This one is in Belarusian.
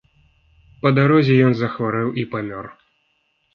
Па дарозе ён захварэў і памёр.